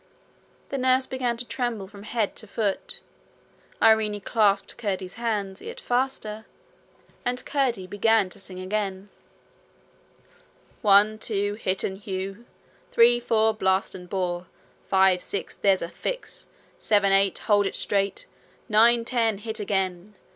The nurse began to tremble from head to foot. Irene clasped Curdie's hand yet faster, and Curdie began to sing again: 'One, two Hit and hew! Three, four Blast and bore! Five, six There's a fix! Seven, eight Hold it straight! Nine, ten Hit again!